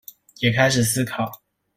也開始思考